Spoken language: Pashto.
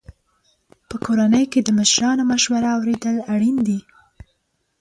په کورنۍ کې د مشرانو مشوره اورېدل اړین دي.